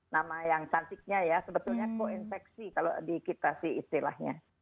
nama yang cantiknya ya sebetulnya koinfeksi kalau di kita sih istilahnya